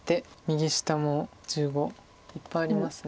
右下も１５いっぱいあります。